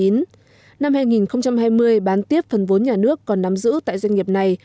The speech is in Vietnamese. năm hai nghìn hai mươi bán tiếp phần vốn nhà nước còn nắm giữ tại doanh nghiệp này